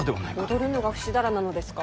踊るのがふしだらなのですか？